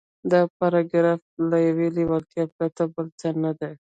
دا پاراګراف له يوې لېوالتیا پرته بل څه نه دی.